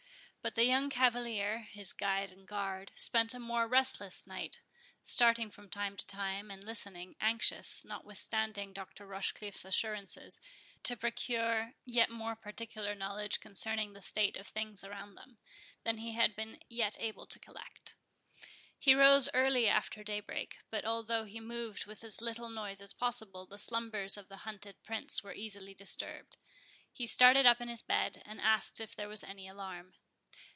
But the young cavalier, his guide and guard, spent a more restless night, starting from time to time, and listening; anxious, notwithstanding Dr. Rochecliffe's assurances, to procure yet more particular knowledge concerning the state of things around them, than he had been yet able to collect. He rose early after daybreak; but although he moved with as little noise as was possible, the slumbers of the hunted Prince were easily disturbed. He started up in his bed, and asked if there was any alarm.